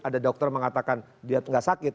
ada dokter mengatakan dia tidak sakit